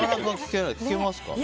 聞けますか？